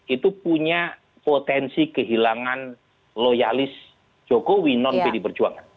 itu punya potensi kehilangan loyalis joko widodo pd perjuangan